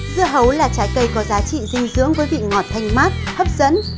dưa hấu là trái cây có giá trị dinh dưỡng với vị ngọt thanh mát hấp dẫn